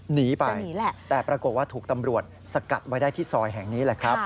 หนีไปแต่ปรากฏว่าถูกตำรวจสกัดไว้ได้ที่ซอยแห่งนี้แหละครับ